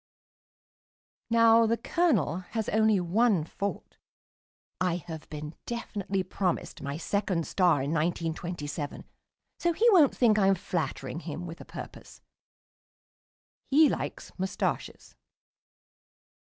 Now the Colonel has only one fault (I have been definitely promised my second star in 1927, so he won't think I am flattering him with a purpose): he likes moustaches.